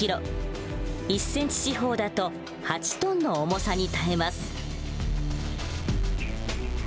１センチ四方だと８ｔの重さに耐えます。